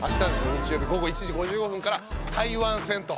日曜日午後１時５５分から台湾戦と。